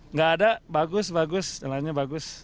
nggak ada bagus bagus jalannya bagus